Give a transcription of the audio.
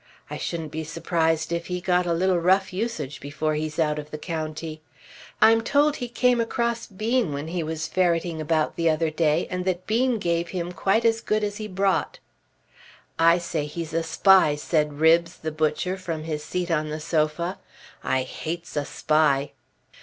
I shouldn't be surprised if he got a little rough usage before he's out of the county. I'm told he came across Bean when he was ferretting about the other day, and that Bean gave him quite as good as he brought." "I say he's a spy," said Ribbs the butcher from his seat on the sofa. "I hates a spy."